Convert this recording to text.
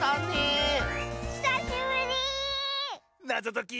なぞとき。